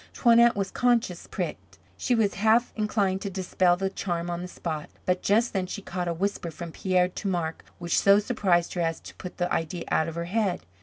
Toinette was conscious pricked. She was half inclined to dispel the charm on the spot. But just then she caught a whisper from Pierre to Marc which so surprised her as to put the idea out of her head.